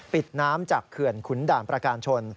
ปิดน้ำจากเขื่อนขุนด่านประการชน